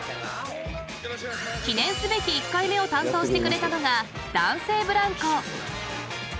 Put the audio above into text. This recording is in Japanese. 記念すべき１回目を担当してくれたのが男性ブランコ。